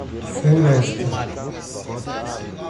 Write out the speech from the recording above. Floresta